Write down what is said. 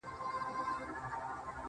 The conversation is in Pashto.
ورځه وريځي نه جــلا ســـولـه نـــن.